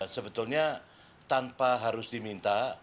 sebetulnya tanpa harus diminta